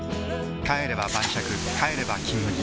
帰れば晩酌帰れば「金麦」